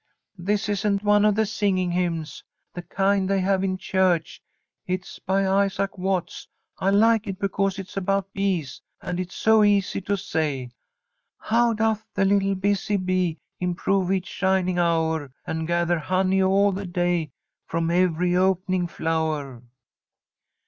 "This isn't one of the singing hymns, the kind they have in church. It's by Isaac Watts. I like it because it's about bees, and it's so easy to say: "How doth the little busy bee Improve each shining hour, And gather honey all the day From every opening flower.'